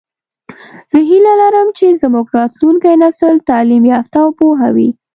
زه هیله لرم چې زمونږ راتلونکی نسل تعلیم یافته او پوهه وي